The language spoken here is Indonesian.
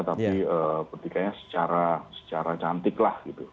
tapi ketikanya secara cantik lah gitu